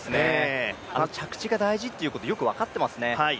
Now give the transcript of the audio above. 着地が大事ってことよく分かってますね。